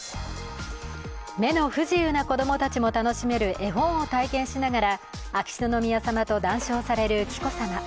目の不自由な子供たちも楽しめる絵本を体験しながら秋篠宮さまと談笑される紀子さま。